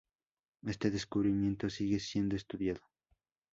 Este descubrimiento sigue siendo estudiado.